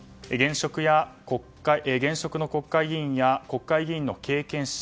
現職の国会議員や国会議員の経験者